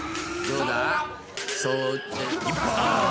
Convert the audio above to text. ⁉どうだ？